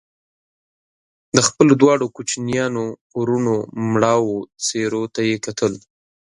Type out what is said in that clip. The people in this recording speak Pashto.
د خپلو دواړو کوچنيانو وروڼو مړاوو څېرو ته يې کتل